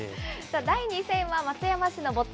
第２戦は松山市の坊っ